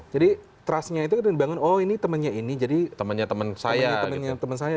jadi trustnya itu dibangun oh ini temennya ini jadi temennya temen saya